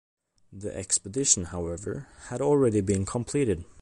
The expedition, however, had already been completed.